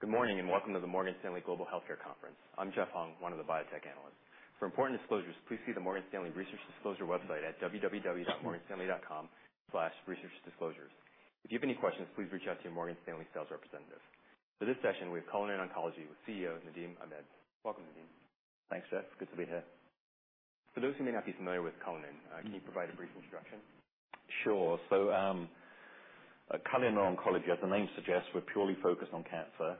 Good morning, and welcome to the Morgan Stanley Global Healthcare Conference. I'm Jeff Hung, one of the biotech analysts. For important disclosures, please see the Morgan Stanley Research Disclosure website at www.morganstanley.com/researchdisclosures. If you have any questions, please reach out to your Morgan Stanley sales representative. For this session, we have Cullinan Oncology with CEO Nadim Ahmed. Welcome, Nadim. Thanks, Jeff. Good to be here. For those who may not be familiar with Cullinan, can you provide a brief introduction? Sure. At Cullinan Oncology, as the name suggests, we're purely focused on cancer.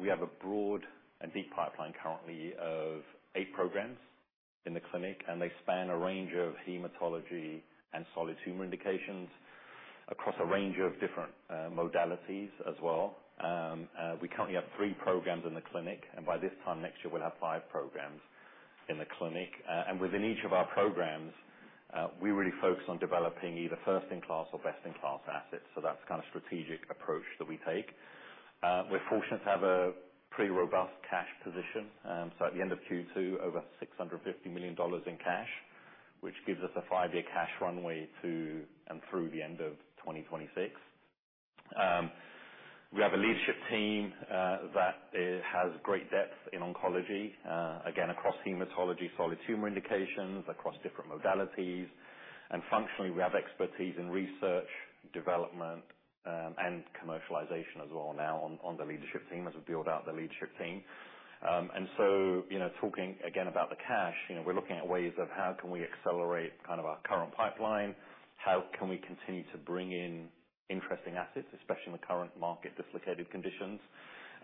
We have a broad and deep pipeline currently of eight programs in the clinic, and they span a range of hematology and solid tumor indications across a range of different modalities as well. We currently have three programs in the clinic, and by this time next year, we'll have five programs in the clinic. Within each of our programs, we really focus on developing either first in class or best in class assets. That's the kind of strategic approach that we take. We're fortunate to have a pretty robust cash position. At the end of Q2, over $650 million in cash, which gives us a five-year cash runway to and through the end of 2026. We have a leadership team that has great depth in oncology, again, across hematology, solid tumor indications, across different modalities. Functionally, we have expertise in research, development, and commercialization as well now on the leadership team as we build out the leadership team. You know, talking again about the cash, you know, we're looking at ways of how can we accelerate kind of our current pipeline. How can we continue to bring in interesting assets, especially in the current market dislocated conditions.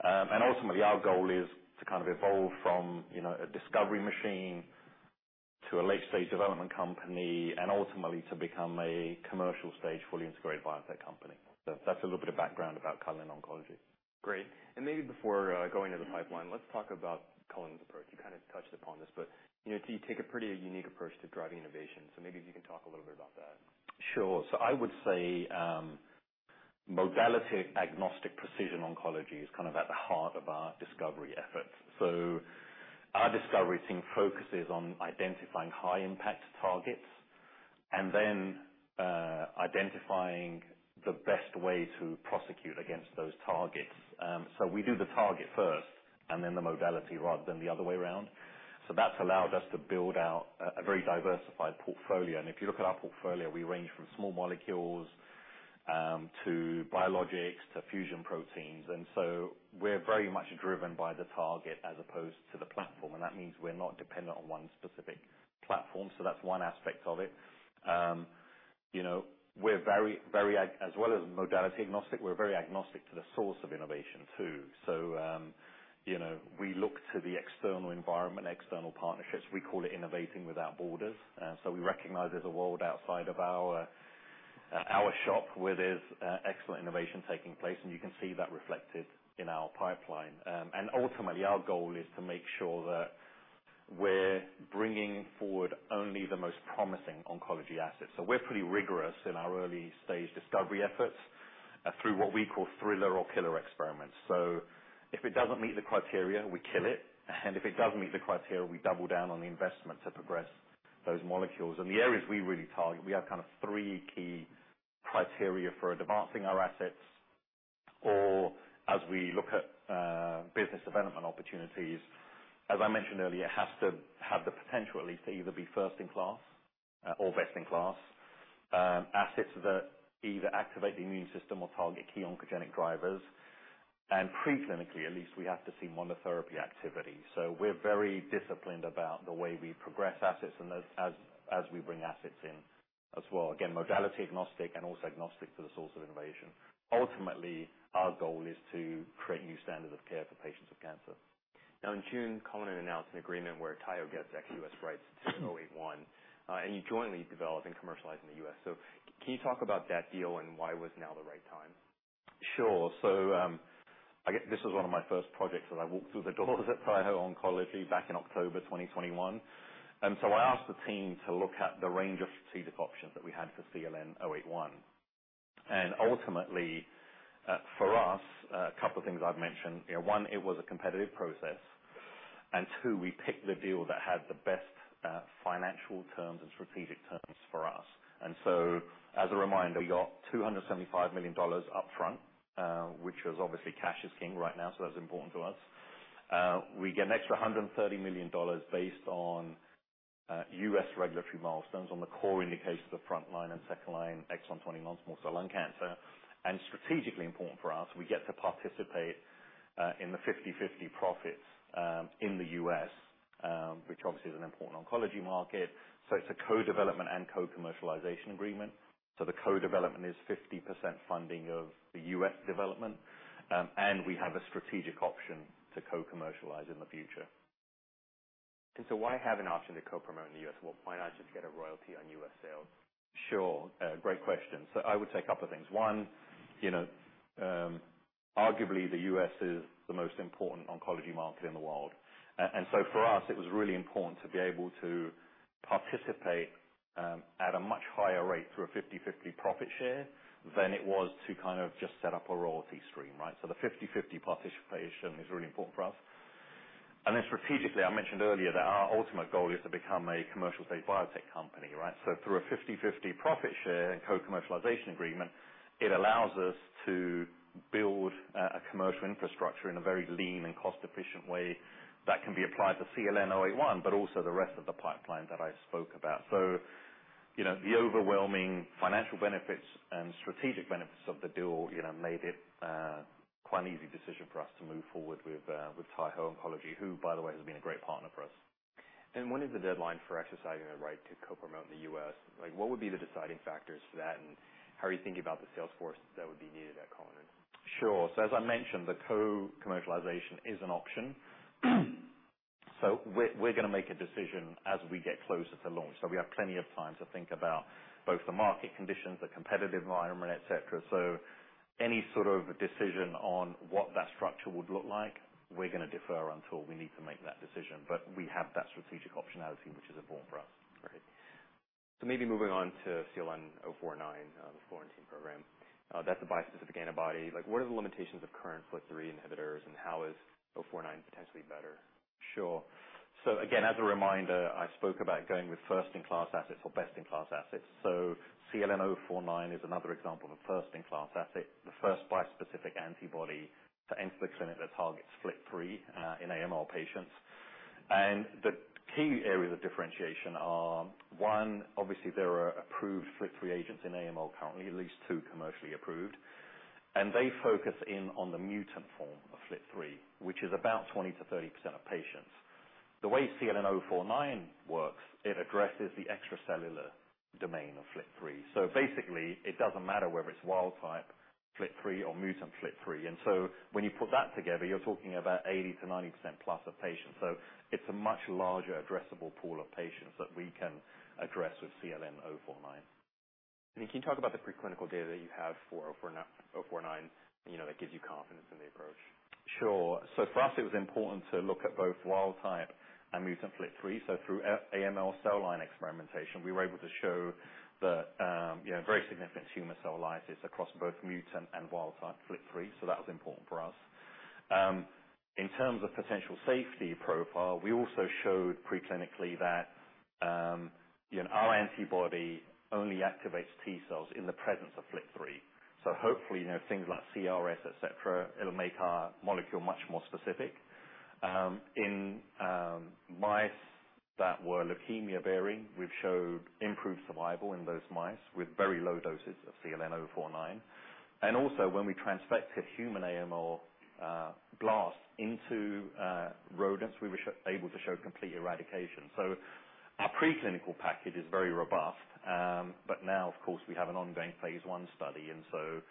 Ultimately our goal is to kind of evolve from, you know, a discovery machine to a late-stage development company and ultimately to become a commercial stage fully integrated biotech company. That's a little bit of background about Cullinan Oncology. Great. Maybe before going to the pipeline, let's talk about Cullinan's approach. You kind of touched upon this, but, you know, you take a pretty unique approach to driving innovation, so maybe if you can talk a little bit about that. Sure. I would say modality agnostic precision oncology is kind of at the heart of our discovery efforts. Our discovery team focuses on identifying high impact targets and then identifying the best way to prosecute against those targets. We do the target first and then the modality rather than the other way around. That's allowed us to build out a very diversified portfolio. If you look at our portfolio, we range from small molecules to biologics to fusion proteins. We're very much driven by the target as opposed to the platform. That means we're not dependent on one specific platform. That's one aspect of it. You know, as well as modality agnostic, we're very agnostic to the source of innovation too. You know, we look to the external environment, external partnerships. We call it innovating without borders. We recognize there's a world outside of our shop where there's excellent innovation taking place, and you can see that reflected in our pipeline. Ultimately our goal is to make sure that we're bringing forward only the most promising oncology assets. We're pretty rigorous in our early-stage discovery efforts through what we call thriller or killer experiments. If it doesn't meet the criteria, we kill it, and if it does meet the criteria, we double down on the investment to progress those molecules. The areas we really target, we have kind of three key criteria for advancing our assets or as we look at business development opportunities. As I mentioned earlier, it has to have the potential at least to either be first in class, or best in class. Assets that either activate the immune system or target key oncogenic drivers. Pre-clinically, at least, we have to see monotherapy activity. We're very disciplined about the way we progress assets and as we bring assets in as well. Again, modality agnostic and also agnostic to the source of innovation. Ultimately, our goal is to create new standards of care for patients with cancer. Now in June, Cullinan announced an agreement where Taiho gets back U.S. rights to CLN-081, and you jointly develop and commercialize in the U.S. Can you talk about that deal and why was now the right time? Sure. I guess this was one of my first projects that I walked through the doors at Taiho Oncology back in October 2021. I asked the team to look at the range of strategic options that we had for CLN-081. Ultimately, for us, a couple of things I've mentioned. You know, one, it was a competitive process. Two, we picked the deal that had the best financial terms and strategic terms for us. As a reminder, we got $275 million upfront, which was obviously cash is king right now, so that's important to us. We get an extra $130 million based on U.S. regulatory milestones on the core indications of front line and second line exon 20 non-small cell lung cancer. Strategically important for us, we get to participate in the 50/50 profits in the U.S., which obviously is an important oncology market. It's a co-development and co-commercialization agreement. The co-development is 50% funding of the U.S. development. We have a strategic option to co-commercialize in the future. Why have an option to co-promote in the U.S.? Why not just get a royalty on U.S. sales? Sure. Great question. I would say a couple of things. One, you know, arguably the U.S. is the most important oncology market in the world. For us, it was really important to be able to participate at a much higher rate through a 50/50 profit share than it was to kind of just set up a royalty stream, right? The 50/50 participation is really important for us. Strategically, I mentioned earlier that our ultimate goal is to become a commercial-stage biotech company, right? Through a 50/50 profit share and co-commercialization agreement, it allows us to build a commercial infrastructure in a very lean and cost-efficient way that can be applied to CLN-081, but also the rest of the pipeline that I spoke about. You know, the overwhelming financial benefits and strategic benefits of the deal, you know, made it quite an easy decision for us to move forward with Taiho Oncology, who by the way, has been a great partner for us When is the deadline for exercising the right to co-promote in the U.S.? Like, what would be the deciding factors for that, and how are you thinking about the sales force that would be needed at Cullinan? Sure. As I mentioned, the co-commercialization is an option. We're gonna make a decision as we get closer to launch. We have plenty of time to think about both the market conditions, the competitive environment, et cetera. Any sort of decision on what that structure would look like, we're gonna defer until we need to make that decision. We have that strategic optionality, which is important for us. Great. Maybe moving on to CLN-049, the FLT3 program. That's a bispecific antibody. Like what are the limitations of current FLT3 inhibitors, and how is 049 potentially better? Sure. Again, as a reminder, I spoke about going with first in class assets or best in class assets. CLN-049 is another example of a first in class asset, the first bispecific antibody to enter the clinic that targets FLT3 in AML patients. The key areas of differentiation are, one, obviously there are approved FLT3 agents in AML currently, at least two commercially approved, and they focus in on the mutant form of FLT3, which is about 20%-30% of patients. The way CLN-049 works, it addresses the extracellular domain of FLT3. Basically it doesn't matter whether it's wild type FLT3 or mutant FLT3. When you put that together, you're talking about 80%-90% plus of patients. It's a much larger addressable pool of patients that we can address with CLN-049. Can you talk about the preclinical data that you have for CLN-049, you know, that gives you confidence in the approach? Sure. For us it was important to look at both wild type and mutant FLT3. Through AML cell line experimentation, we were able to show that, you know, very significant tumor cell lysis across both mutant and wild type FLT3. That was important for us. In terms of potential safety profile, we also showed preclinically that, you know, our antibody only activates T cells in the presence of FLT3. Hopefully, you know, things like CRS, et cetera, it'll make our molecule much more specific. In mice that were leukemia-bearing, we've showed improved survival in those mice with very low doses of CLN-049. And also when we transfected human AML blasts into rodents, we were able to show complete eradication. Our preclinical package is very robust. Now of course we have an ongoing phase 1 study, and so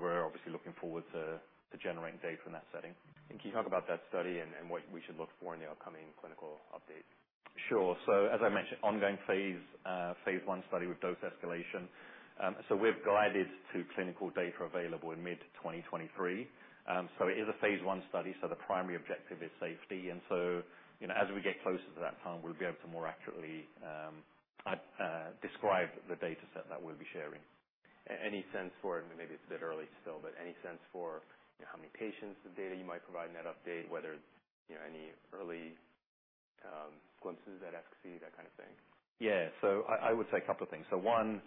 we're obviously looking forward to generating data in that setting. Can you talk about that study and what we should look for in the upcoming clinical update? Sure. As I mentioned, ongoing phase 1 study with dose escalation. We've guided to clinical data available in mid-2023. It is a phase 1 study, so the primary objective is safety. You know, as we get closer to that time, we'll be able to more accurately describe the data set that we'll be sharing. Any sense for, and maybe it's a bit early still, but any sense for, you know, how many patients, the data you might provide in that update, whether, you know, any early glimpses at FC, that kind of thing? Yeah. I would say a couple of things. One,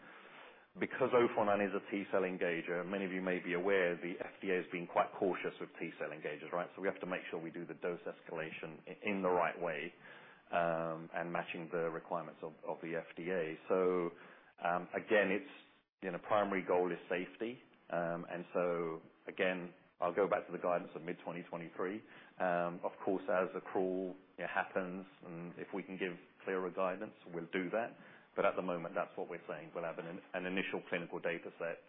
because CLN-049 is a T-cell engager, many of you may be aware, the FDA has been quite cautious with T-cell engagers, right? We have to make sure we do the dose escalation in the right way, and matching the requirements of the FDA. Again, it's primary goal is safety. Again, I'll go back to the guidance of mid-2023. Of course, as accrual happens, and if we can give clearer guidance, we'll do that. But at the moment, that's what we're saying. We'll have an initial clinical data set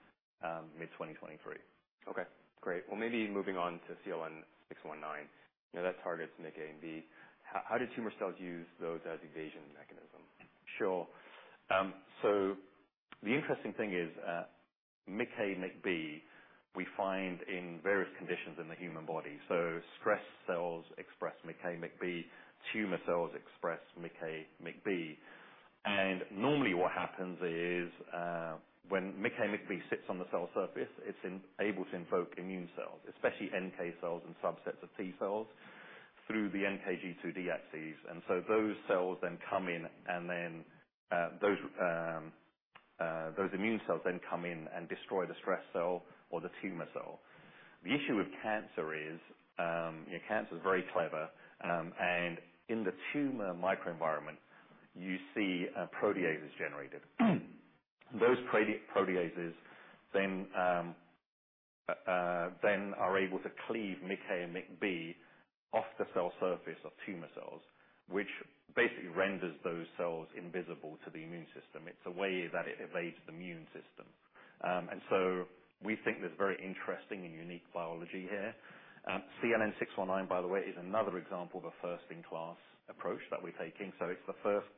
mid-2023. Okay, great. Well maybe moving on to CLN-619. You know, that targets MICA and MICB. How do tumor cells use those as evasion mechanism? Sure. The interesting thing is, MICA, MICB, we find in various conditions in the human body. Stress cells express MICA, MICB, tumor cells express MICA, MICB. Normally what happens is, when MICA, MICB sits on the cell surface, it's able to invoke immune cells, especially NK cells and subsets of T cells through the NKG2D axis. Those cells come in and those immune cells come in and destroy the stress cell or the tumor cell. The issue with cancer is, you know, cancer is very clever. In the tumor microenvironment, you see, proteases generated. Those proteases then are able to cleave MICA and MICB off the cell surface of tumor cells, which basically renders those cells invisible to the immune system. It's a way that it evades the immune system. We think there's very interesting and unique biology here. CLN-619, by the way, is another example of a first-in-class approach that we're taking. It's the first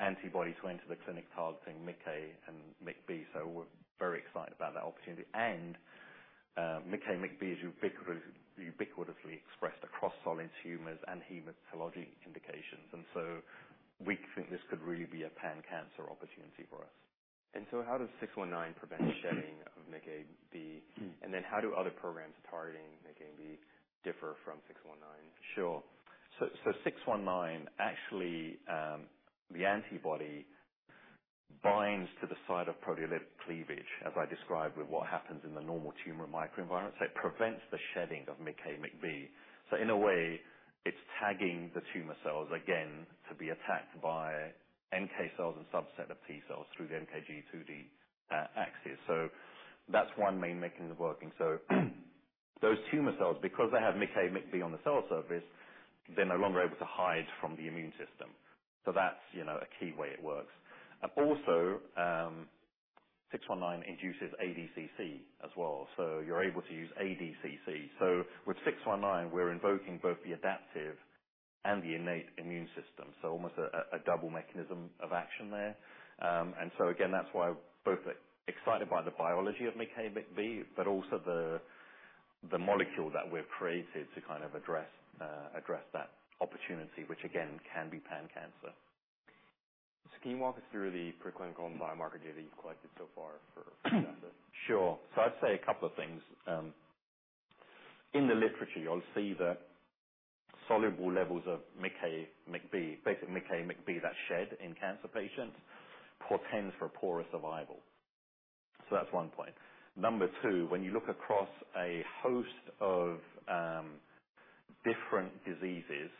antibody to enter the clinic targeting MICA and MICB. We're very excited about that opportunity. MICA, MICB is ubiquitously expressed across solid tumors and hematologic indications. We think this could really be a pan-cancer opportunity for us. How does CLN-619 prevent shedding of MICA/B? How do other programs targeting MICA/B differ from CLN-619? Sure. Six one nine, actually, the antibody binds to the site of proteolytic cleavage, as I described, with what happens in the normal tumor microenvironment. It prevents the shedding of MICA, MICB. In a way, it's tagging the tumor cells again to be attacked by NK cells and subset of T cells through the NKG2D axis. That's one main mechanism of working. Those tumor cells, because they have MICA, MICB on the cell surface, they're no longer able to hide from the immune system. That's, you know, a key way it works. Also, six one nine induces ADCC as well, so you're able to use ADCC. With six one nine, we're invoking both the adaptive and the innate immune system, almost a double mechanism of action there. Again, that's why we're both excited by the biology of MICA, MICB, but also the molecule that we've created to kind of address that opportunity, which again, can be pan-cancer. Can you walk us through the preclinical and biomarker data you've collected so far for the asset? Sure. I'd say a couple of things. In the literature, you'll see that soluble levels of MICA, MICB, basically MICA, MICB, that shed in cancer patients portends for poorer survival. That's one point. Number two, when you look across a host of different diseases,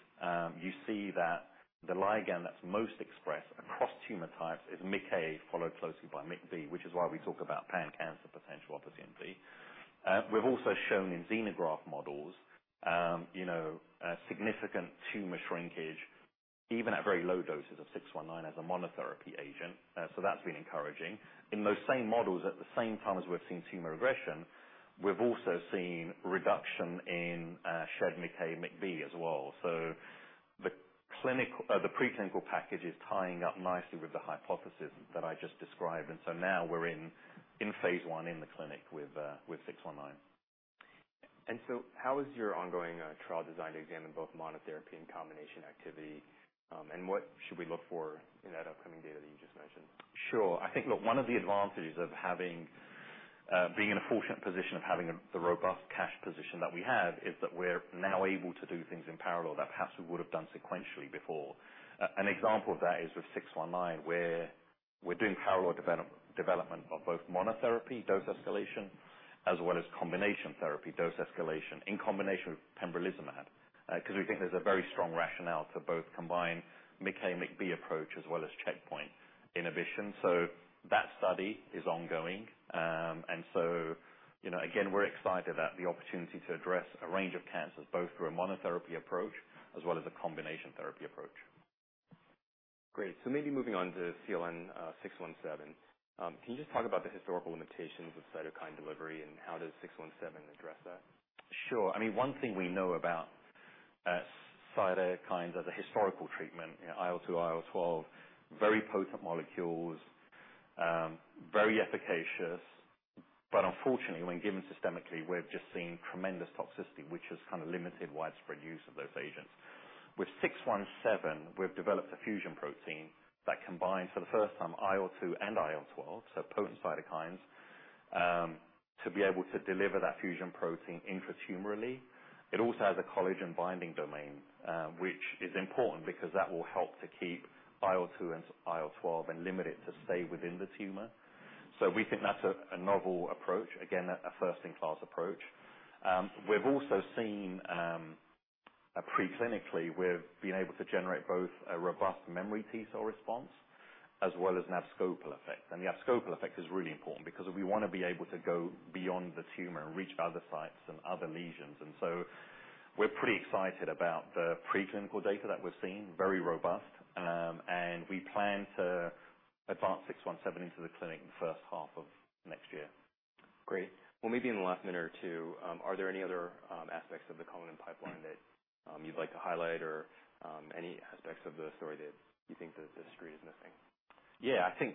you see that the ligand that's most expressed across tumor types is MIC-A, followed closely by MIC-B, which is why we talk about pan-cancer potential opposite of B. We've also shown in xenograft models, you know, significant tumor shrinkage, even at very low doses of CLN-619 as a monotherapy agent. That's been encouraging. In those same models, at the same time as we've seen tumor regression, we've also seen reduction in shed MIC-A and MIC-B as well. The preclinical package is tying up nicely with the hypothesis that I just described, and now we're in phase one in the clinic with six one nine. How is your ongoing trial designed to examine both monotherapy and combination activity? What should we look for in that upcoming data that you just mentioned? Sure. I think, look, one of the advantages of being in a fortunate position of having the robust cash position that we have, is that we're now able to do things in parallel that perhaps we would've done sequentially before. An example of that is with six one nine, where we're doing parallel development of both monotherapy dose escalation as well as combination therapy dose escalation in combination with pembrolizumab. 'Cause we think there's a very strong rationale to both combine MICA, MICB approach as well as checkpoint inhibition. That study is ongoing. You know, again, we're excited at the opportunity to address a range of cancers, both through a monotherapy approach as well as a combination therapy approach. Great. Maybe moving on to CLN-617. Can you just talk about the historical limitations of cytokine delivery, and how does CLN-617 address that? Sure. I mean, one thing we know about cytokines as a historical treatment, you know, IL-2, IL-12, very potent molecules, very efficacious, but unfortunately, when given systemically, we've just seen tremendous toxicity, which has kind of limited widespread use of those agents. With CLN-617, we've developed a fusion protein that combines, for the first time, IL-2 and IL-12, so potent cytokines, to be able to deliver that fusion protein intratumorally. It also has a collagen binding domain, which is important because that will help to keep IL-2 and IL-12 and limit it to stay within the tumor. So we think that's a novel approach, again, a first-in-class approach. We've also seen, preclinically, we've been able to generate both a robust memory T cell response as well as an abscopal effect. The abscopal effect is really important because we wanna be able to go beyond the tumor and reach other sites and other lesions. We're pretty excited about the preclinical data that we're seeing, very robust. We plan to advance CLN-617 into the clinic in the first half of next year. Great. Well, maybe in the last minute or two, are there any other, aspects of the Cullinan pipeline that, you'd like to highlight or, any aspects of the story that you think the street is missing? Yeah. I think,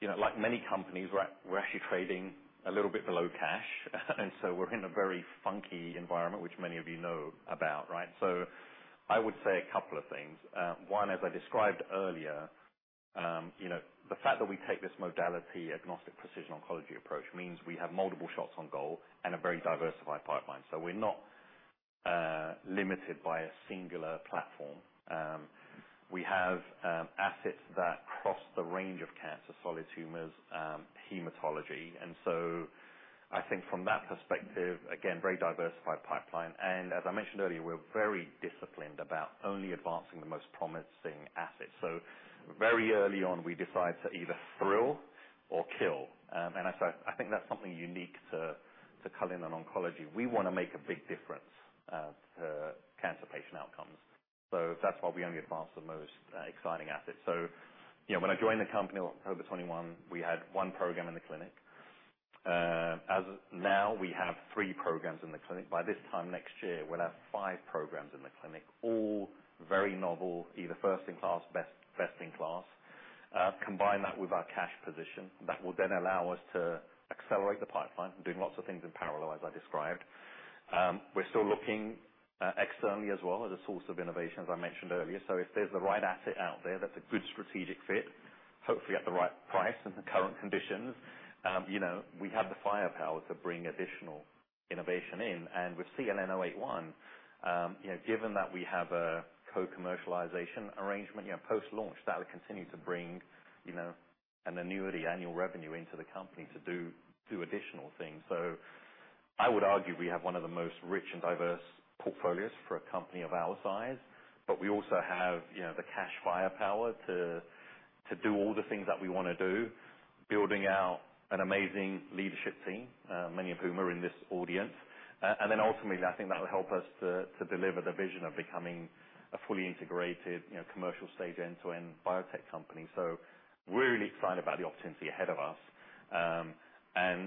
you know, like many companies, we're actually trading a little bit below cash, and so we're in a very funky environment, which many of you know about, right? I would say a couple of things. One, as I described earlier, you know, the fact that we take this modality agnostic precision oncology approach means we have multiple shots on goal and a very diversified pipeline. We're not limited by a singular platform. We have assets that cross the range of cancer, solid tumors, hematology. I think from that perspective, again, very diversified pipeline. As I mentioned earlier, we're very disciplined about only advancing the most promising assets. Very early on, we decide to either thrill or kill. I say I think that's something unique to Cullinan Oncology. We wanna make a big difference to cancer patient outcomes. That's why we only advance the most exciting assets. You know, when I joined the company on October 21, we had one program in the clinic. As of now, we have three programs in the clinic. By this time next year, we'll have five programs in the clinic, all very novel, either first in class, best in class. Combine that with our cash position, that will then allow us to accelerate the pipeline. We're doing lots of things in parallel, as I described. We're still looking externally as well as a source of innovation, as I mentioned earlier. If there's the right asset out there that's a good strategic fit, hopefully at the right price in the current conditions, you know, we have the firepower to bring additional innovation in. With CLN-081, you know, given that we have a co-commercialization arrangement, you know, post-launch, that will continue to bring, you know, an annuity annual revenue into the company to do additional things. I would argue we have one of the most rich and diverse portfolios for a company of our size, but we also have, you know, the cash firepower to do all the things that we wanna do, building out an amazing leadership team, many of whom are in this audience. Ultimately, I think that will help us to deliver the vision of becoming a fully integrated, you know, commercial stage end-to-end biotech company. We're really excited about the opportunity ahead of us.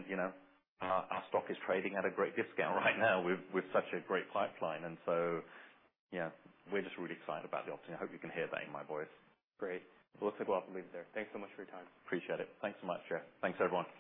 You know, our stock is trading at a great discount right now with such a great pipeline. Yeah, we're just really excited about the opportunity. I hope you can hear that in my voice. Great. Well, let's take off and leave it there. Thanks so much for your time. Appreciate it. Thanks so much, Jeff. Thanks, everyone.